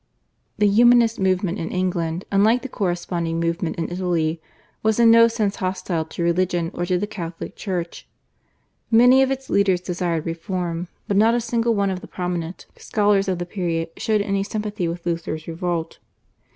The Humanist movement in England, unlike the corresponding movement in Italy, was in no sense hostile to religion or to the Catholic Church. Many of its leaders desired reform, but not a single one of the prominent scholars of the period showed any sympathy with Luther's revolt.